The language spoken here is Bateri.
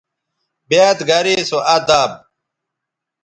بیاد گرے سو اداب